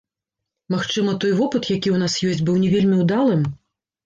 Магчыма, той вопыт, які ў нас ёсць, быў не вельмі ўдалым?